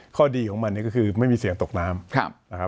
ข้อดีของมันก็คือไม่มีเสี่ยงตกน้ำ